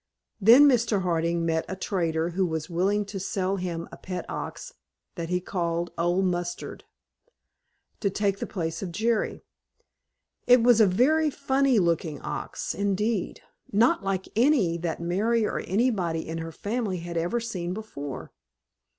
Then Mr. Harding met a trader who was willing to sell him a pet ox that he called "Old Mustard," to take the place of Jerry. It was a very funny looking ox, indeed, not like any that Mary or anybody in her family had ever seen before.